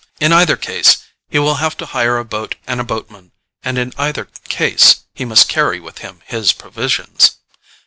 In either case he will have to hire a boat and a boatman, and in either case he must carry with him his provisions.